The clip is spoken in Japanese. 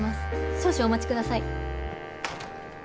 少々お待ちください。